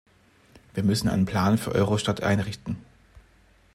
Wir müssen einen Plan für Eurostat einrichten.